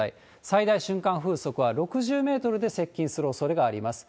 最大瞬間風速は６０メートルで接近するおそれがあります。